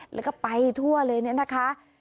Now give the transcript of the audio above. แล้วก็ไปทั่วเลยเนี่ยนะคะ